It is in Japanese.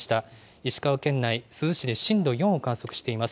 石川県内、珠洲市で震度４を観測しています。